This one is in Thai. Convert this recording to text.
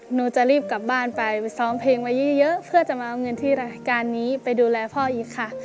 หนูจะรีบกลับบ้านไปไปซ้อมเพลงไว้เยอะเพื่อจะมาเอาเงินที่รายการนี้ไปดูแลพ่ออีกค่ะ